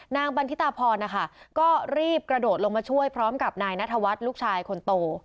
บันทิตาพรนะคะก็รีบกระโดดลงมาช่วยพร้อมกับนายนัทวัฒน์ลูกชายคนโต